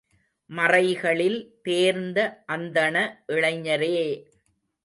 மறைகளில் தேர்ந்த அந்தண இளைஞரே!